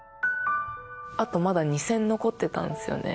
あとまだ２戦残ってたんですよね。